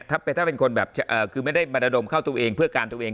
ถ้าเป็นคนแบบคือไม่ได้มาระดมเข้าตัวเองเพื่อการตัวเอง